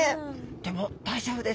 でも大丈夫です。